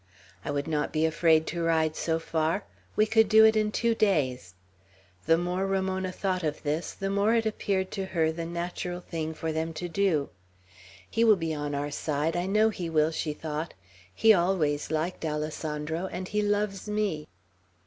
I would not be afraid to ride so far; we could do it in two days." The more Ramona thought of this, the more it appeared to her the natural thing for them to do. "He will be on our side, I know he will," she thought. "He always liked Alessandro, and he loves me."